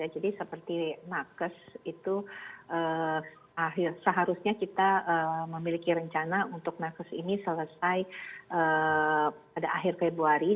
jadi seperti nakes itu seharusnya kita memiliki rencana untuk nakes ini selesai pada akhir februari